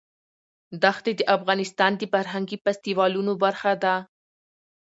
دښتې د افغانستان د فرهنګي فستیوالونو برخه ده.